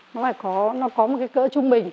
nó phải nó có một cái cỡ trung bình